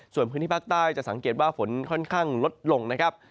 ส่วนพื้นที่ภาคใต้จะสังเกตว่าฝนค่อนข้างลดลงนะครับ